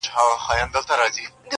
زه د بل له ښاره روانـېـږمـه.